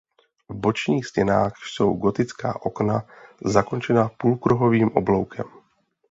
V bočních stěnách jsou gotická okna zakončena půlkruhovým obloukem.